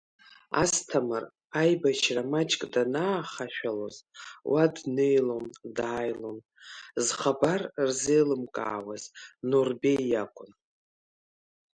Асҭамыр аибашьра маҷк данаахашәалоз уа днеилон-дааилон, зхабар рзеилымкаауаз Наурбеи иакәын.